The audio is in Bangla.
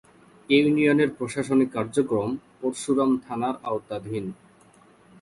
এ ইউনিয়নের প্রশাসনিক কার্যক্রম পরশুরাম থানার আওতাধীন।